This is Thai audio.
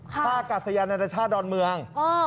ภาคกาศยนรรชาติดอนเมือง